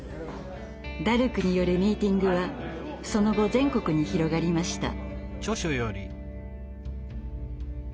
ダルクによるミーティングはその後全国に広がりました。